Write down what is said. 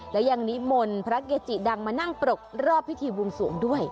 และยังนิมนต์พระเกจิดังมานั่งปรกรอบพิธีบวงสวงด้วย